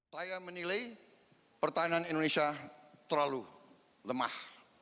saya menilai pertahanan indonesia terlalu lemah